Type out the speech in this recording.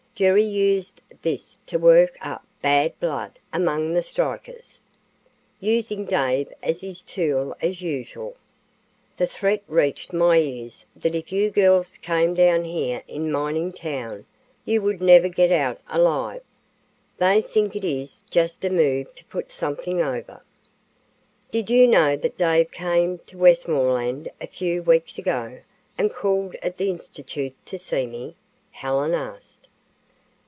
Gerry used this to work up bad blood among the strikers, using Dave as his tool as usual. The threat reached my ears that if you girls came down here in Mining Town, you would never get out alive. They think it is just a move to put something over." "Did you know that Dave came to Westmoreland a few weeks ago and called at the institute to see me?" Helen asked.